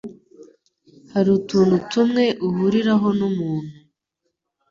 Hari utuntu tumwe ihuriraho n'umuntu